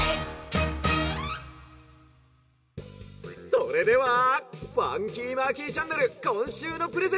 「それではファンキーマーキーチャンネルこんしゅうのプレゼント